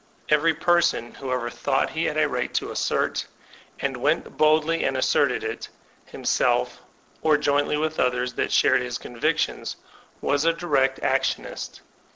Every person who ever thought he had a right to assert, and went boldly and asserted it, himself, or jointly with others that shared his convictions, was a direct actionist.